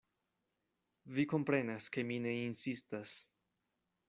Vi komprenas, ke mi ne insistas.